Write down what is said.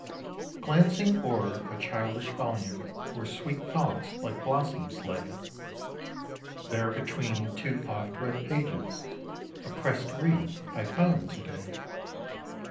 B. S. Glancing o'er a childish volume where sweet thoughts like blossoms lay, There between two oft read pages, a pressed wreath I found to day.